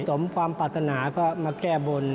สมความปรารถนาก็มาแก้บน